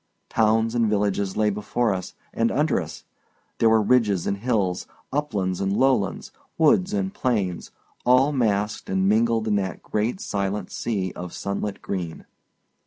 Towns and villages lay before us and under us; there were ridges and hills, uplands and lowlands, woods and plains, all massed and mingled in that great silent sea of sunlit green.